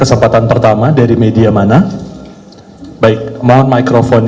di sebelah sini izin